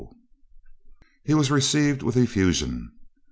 He was received with effusion.